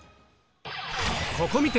ここ観て！